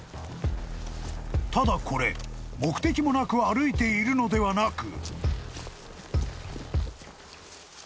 ［ただこれ目的もなく歩いているのではなく］